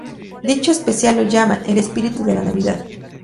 Dicho especial lo llaman "El Espíritu de la Navidad".